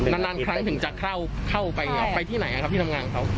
นานครั้งถึงจะเข้าไปไปที่ไหนครับที่ทำงานเขา